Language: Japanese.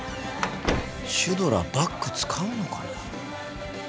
シュドラバッグ使うのかな？